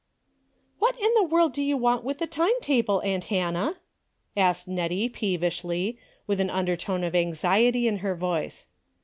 " What in the world do you want with the time table, aunt Hannah ?" asked Nettie, peevishly, with an undertone of anxiety in her voice.